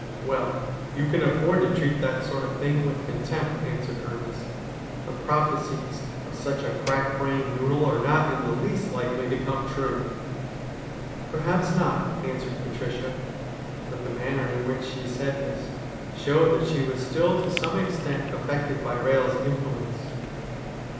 ' Well, you can afford to treat that sort of thing with con tempt,' answered Ernest. 'The prophecies of such a crack brained noodle are not in the least likely to come true.' ' Perhaps not,' answered Patricia ; but the manner in which she said this showed that she was still to some extent affected by Eehel's influence.